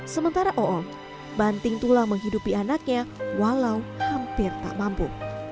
sementara oom ⁇ banting tulang menghidupi anaknya walau hampir tak mampu